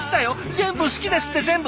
「全部好きです」って「全部」。